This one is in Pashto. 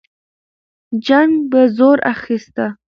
جنګ به زور اخیسته.